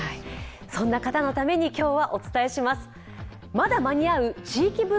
そんな方のために今日はお伝えします。